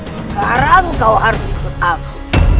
sekarang kau harus ikut aku